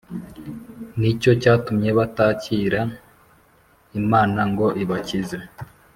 Nicyo cyatumye batakira imana ngo ibakize